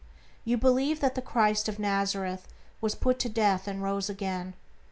You believe that the Christ of Nazareth was put to death and rose again.